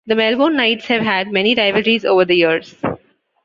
The Melbourne Knights have had many rivalries over the years.